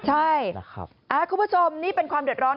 ใช่นะครับคุณผู้ชมนี่เป็นความเดือดร้อน